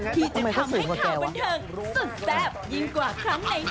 ที่จะทำให้ข่าวบันเทิงสุดแซ่บยิ่งกว่าครั้งไหน